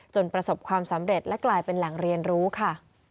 ประสบความสำเร็จและกลายเป็นแหล่งเรียนรู้ค่ะ